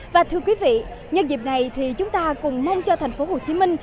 và thưa quý vị nhân dịp này thì chúng ta cùng mong cho thành phố hồ chí minh